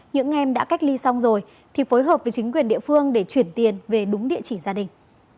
những em đã cách ly xong rồi thì phối hợp với chính quyền địa phương để chuyển tiền về đúng địa chỉ gia đình